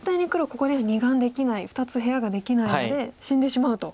ここでは２眼できない２つ部屋ができないので死んでしまうと。